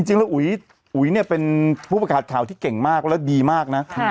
จริงแล้วอุ๋ยอุ๋ยเนี่ยเป็นผู้ประกาศข่าวที่เก่งมากและดีมากนะ